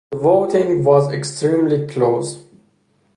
The voting was extremely close.